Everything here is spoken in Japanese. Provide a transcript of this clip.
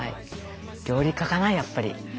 料理家かなやっぱり。